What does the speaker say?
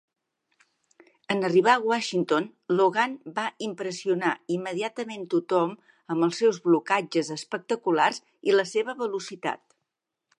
En arribar a Washington, Logan va impressionar immediatament tothom amb els seus blocatges espectaculars i la seva velocitat.